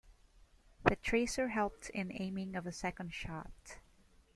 The tracer helped in the aiming of a second shot.